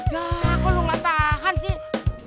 yaa kok lu gak tahan sih